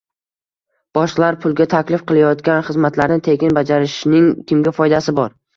Boshqalar pulga taklif qilayotgan xizmatlarni tekin bajarishning kimga foydasi bor